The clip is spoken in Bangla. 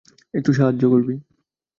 একটু সাহায্য করবি?